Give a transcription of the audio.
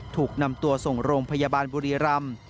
ถูกนำตัวส่งโรงพยาบาลบุรีรำ